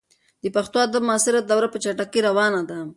د پښتو ادب معاصره دوره په چټکۍ روانه ده.